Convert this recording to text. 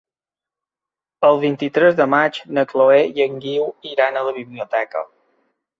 El vint-i-tres de maig na Chloé i en Guiu iran a la biblioteca.